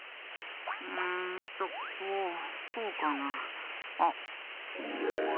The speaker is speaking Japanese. うんとこうこうかな？あっ。